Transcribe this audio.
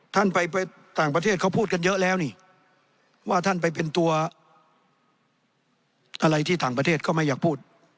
ท่านไปต่างประเทศเขาพูดกันเยอะแล้วนี่ว่าท่านไปเป็นตัวอะไรที่ต่างประเทศก็ไม่อยากพูด